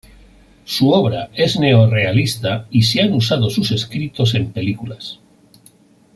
Su obra es neorrealista y se han usado sus escritos en películas.